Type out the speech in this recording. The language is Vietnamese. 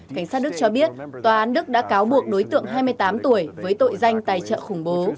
cảnh sát đức cho biết tòa án đức đã cáo buộc đối tượng hai mươi tám tuổi với tội danh tài trợ khủng bố